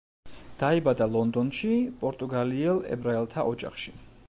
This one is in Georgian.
დაიბადა ლონდონში, პორტუგალიელ ებრაელთა ოჯახში.